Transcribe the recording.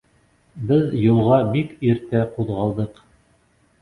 Беҙ юлға бик иртә ҡуҙғалдыҡ.